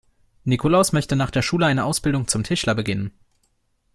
Nikolaus möchte nach der Schule eine Ausbildung zum Tischler beginnen.